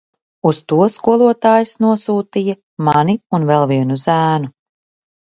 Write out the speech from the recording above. Uz to skolotājs nosūtīja mani un vēl vienu zēnu.